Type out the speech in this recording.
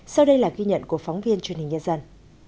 sau đây là ghi nhận của phóng viên truyền hình nhân dân